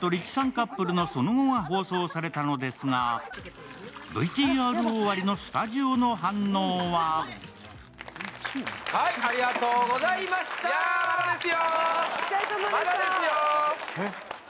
カップルのその後が放送されたのですがＶＴＲ終わりのスタジオの反応はまだですよ、まだですよ。